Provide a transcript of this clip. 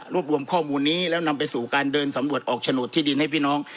รวมรวมข้อมูลนี้แล้วนำไปสู่การเดินสำรวจออกโฉนดที่ดินให้พี่น้อง